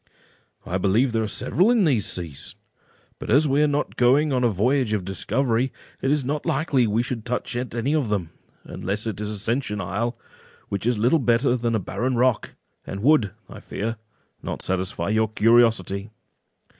"I believe there are several in these seas; but as we are not going on a voyage of discovery, it is not likely we should touch at any of them, unless it is Ascension Isle, which is little better than a barren rock, and would, I fear, not satisfy your curiosity."